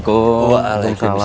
kamu belanja apa saja